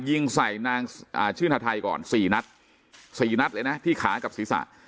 ยิงใส่ชื่นธัยก่อน๔นัดที่ขากับศีรษะ